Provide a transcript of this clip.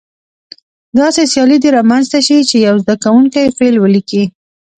داسې سیالي دې رامنځته شي چې یو زده کوونکی فعل ولیکي.